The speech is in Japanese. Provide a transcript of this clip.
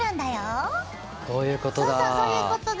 こういうことだ。